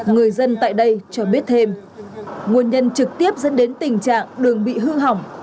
người dân tại đây cho biết thêm nguồn nhân trực tiếp dẫn đến tình trạng đường bị hư hỏng